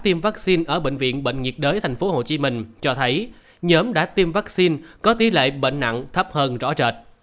tiêm vaccine ở bệnh viện bệnh nhiệt đới tp hcm cho thấy nhóm đã tiêm vaccine có tỷ lệ bệnh nặng thấp hơn rõ rệt